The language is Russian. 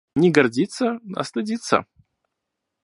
Не гордиться, а стыдиться.